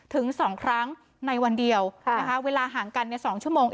ถึงสองครั้งในวันเดียวค่ะนะคะเวลาห่างกันเนี้ยสองชั่วโมง